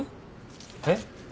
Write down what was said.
えっ？